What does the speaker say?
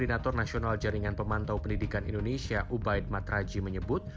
koordinator nasional jaringan pemantau pendidikan indonesia ubaid matraji menyebut